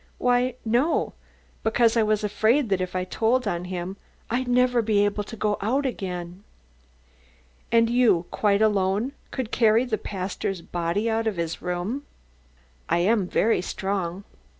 "Why, no; because I was afraid that if I told on him, I'd never be able to go out again." "And you, quite alone, could carry the pastor's body out of his room?" "I am very strong."